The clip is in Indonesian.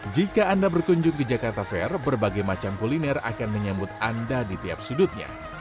jika anda berkunjung ke jakarta fair berbagai macam kuliner akan menyambut anda di tiap sudutnya